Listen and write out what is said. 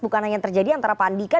bukan hanya terjadi antara pak andika